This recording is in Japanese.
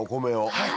はい。